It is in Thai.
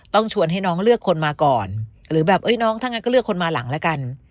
ชวนให้น้องเลือกคนมาก่อนหรือแบบเอ้ยน้องถ้างั้นก็เลือกคนมาหลังละกัน